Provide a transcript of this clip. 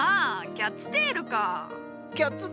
キャッツテール？